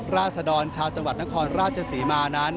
ราศดรชาวจังหวัดนครราชศรีมานั้น